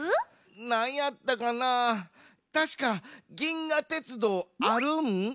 なんやったかなたしか「銀河鉄道」。